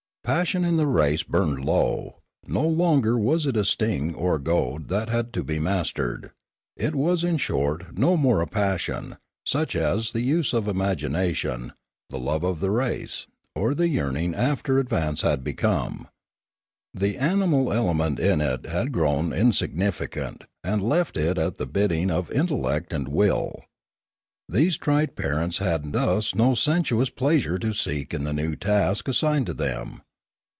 Passion in the race burned low; no longer was it a sting or goad that had to be mastered; it was in short no more a passion, such as the use of imagination, the love of the race, or the yearning after advance had become. The animal ele ment in it had grown insignificant, and left it at the bidding of intellect and will. These tried parents had thus no sensuous pleasure to seek in the new task as signed to them.